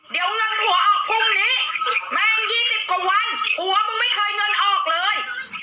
เดี๋ยวเงินผัวออกพรุ่งนี้แมง๒๐กว่าวันผัวมึงไม่เคยเงินออกเลย